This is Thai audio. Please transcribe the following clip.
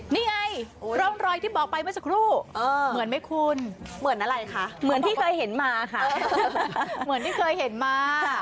นี่ไงร่องรอยที่บอกไปเมื่อสักครู่เหมือนไหมคุณเหมือนอะไรคะเหมือนที่เคยเห็นมาค่ะเหมือนที่เคยเห็นมา